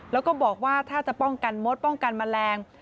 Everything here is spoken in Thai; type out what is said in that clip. แล้วก็บอกว่าถ้าจะป้องกันมดป้องกันแมลง